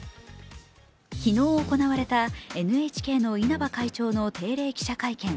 昨日行われたＮＨＫの稲葉会長の定例記者会見。